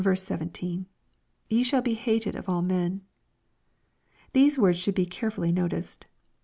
— [Ye shall he hated of all men.] These woras should be care fully noticed.